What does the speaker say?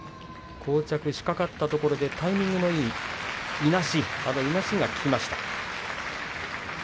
こう着しかかったところタイミングのいいいなしが効きました。